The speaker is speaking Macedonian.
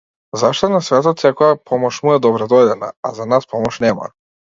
Зашто на светот секоја помош му е добредојдена, а за нас помош нема.